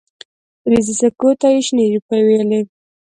فلزي سکو ته یې شنې روپۍ ویلې.